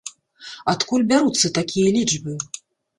Адкуль бяруцца такія лічбы?